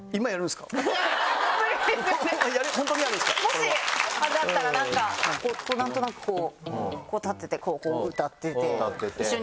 もしあれだったらなんかなんとなくこう立っててこう歌ってて一緒に。